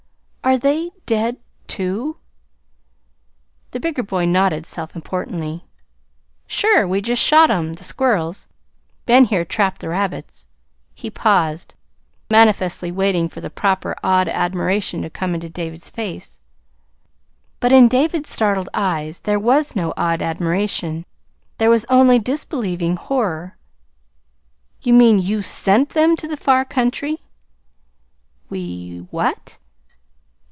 "Are they dead, too?" The bigger boy nodded self importantly. "Sure. We just shot 'em the squirrels. Ben here trapped the rabbits." He paused, manifestly waiting for the proper awed admiration to come into David's face. But in David's startled eyes there was no awed admiration, there was only disbelieving horror. "You mean, you SENT them to the far country?" "We what?"